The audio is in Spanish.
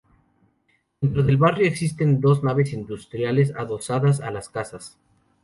Dentro del barrio existen dos naves industriales adosadas a las casas.